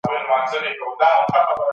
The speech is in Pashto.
په امریکا کې اوبه وهلي کتابونه رغول کیږي.